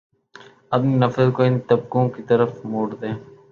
اپنی نفرت کو ان طبقوں کی طرف موڑ دیں